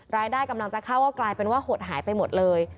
รายได้กำลังจะเข้าก็กลายเป็นว่าหดหายไปหมดเลย